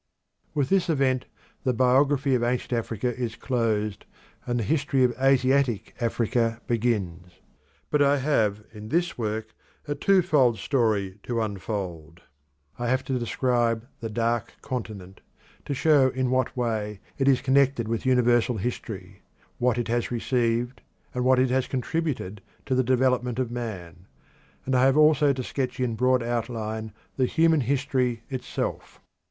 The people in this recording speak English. With this event the biography of ancient Africa is closed, and the history of Asiatic Africa begins. But I have in this work a twofold story to unfold. I have to describe the Dark Continent: to show in what way it is connected with universal history; what it has received and what it has contributed to the development of man. And I have also to sketch in broad outline the human history itself.